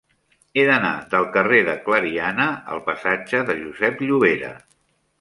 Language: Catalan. He d'anar del carrer de Clariana al passatge de Josep Llovera.